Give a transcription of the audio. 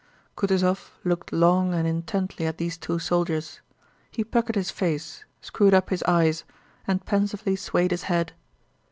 Kutúzov looked long and intently at these two soldiers. He puckered his face, screwed up his eyes, and pensively swayed his head.